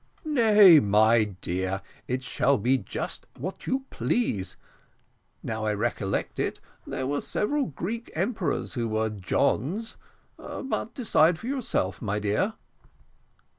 "Nay, my dear, it shall be just what you please. Now I recollect it, there were several Greek emperors who were Johns; but decide for yourself, my dear."